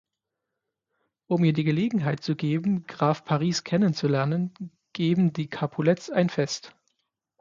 Um ihr die Gelegenheit zu geben, Graf Paris kennenzulernen, geben die Capulets ein Fest.